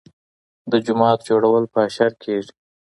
د جومات جوړول په اشر کیږي.